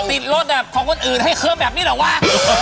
ติดรถอะของคนอื่นให้เคิ้มแบบนี้เหรอวะ